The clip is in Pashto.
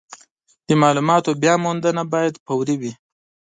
د مالوماتو بیاموندنه باید فوري وي.